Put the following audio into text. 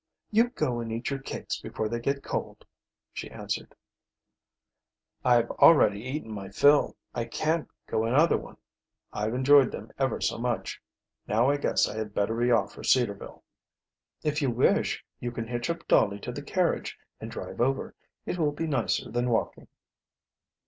"You go and eat your cakes before they get cold," she answered. "I've already eaten my fill, I can't go another one. I've enjoyed them ever so much. Now I guess I had better be off for Cedarville." "If you wish, you can hitch up Dolly to the carriage and drive over. It will be nicer than walking."